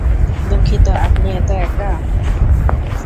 দুঃখিত আপনি এতো একা।